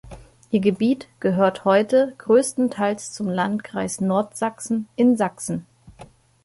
Ihr Gebiet gehört heute größtenteils zum Landkreis Nordsachsen in Sachsen.